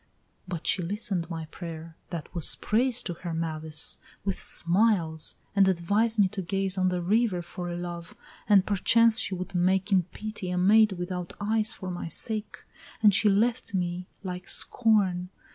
But she listen'd my prayer, that was praise To her malice, with smiles, and advised me to gaze On the river for love, and perchance she would make In pity a maid without eyes for my sake, And she left me like Scorn.